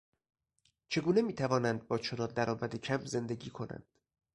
چگونه میتوانند با چنان درآمد کم زندگی کنند؟